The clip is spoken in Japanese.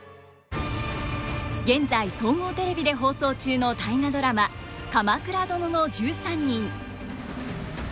現在総合テレビで放送中の「大河ドラマ鎌倉殿の１３人」。